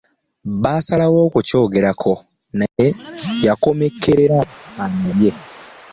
Baasalawo okukyogerako naye yakomekkerera annobye.